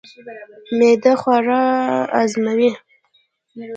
معده خواړه هضموي.